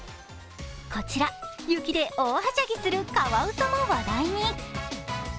こちら、雪で大はしゃぎするカワウソも話題に。